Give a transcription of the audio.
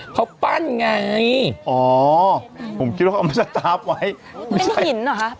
เขาปั้นไงอ๋อผมคิดว่าเขาอมันจะตัดไว้